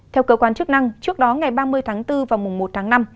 theo cơ quan chức năng trước đó ngày ba mươi tháng bốn và mùng một tháng năm